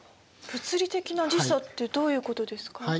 物理的な時差ってどういうことですか？